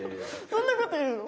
そんなこと言うの？